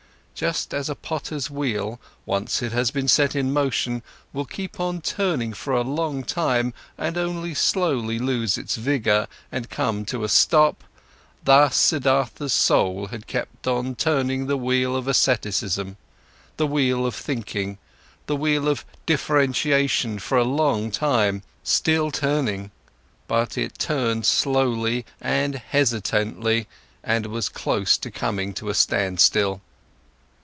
Just as a potter's wheel, once it has been set in motion, will keep on turning for a long time and only slowly lose its vigour and come to a stop, thus Siddhartha's soul had kept on turning the wheel of asceticism, the wheel of thinking, the wheel of differentiation for a long time, still turning, but it turned slowly and hesitantly and was close to coming to a standstill.